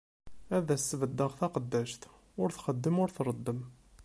Ad as-sbeddeɣ taqeddact, ur txeddem ur treddem.